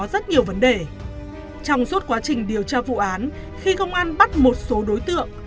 rất nhiều vấn đề trong suốt quá trình điều tra vụ án khi công an bắt một số đối tượng